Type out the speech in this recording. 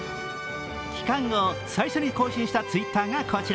帰還後、最初に更新したＴｗｉｔｔｅｒがこちら。